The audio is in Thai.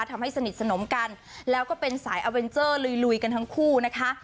ทำให้สนิทสนมกันแล้วก็เป็นสายอาเวนเจอร์ลุยกันทั้งคู่นะคะ